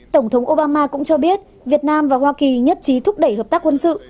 tổng thống obama cũng cho biết việt nam và hoa kỳ nhất trí thúc đẩy hợp tác quân sự